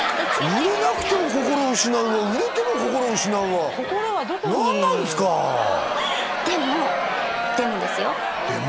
売れなくても心失うわ売れても心失うわ心はどこに何なんですかでもでもですよでも？